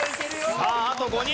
さああと５人。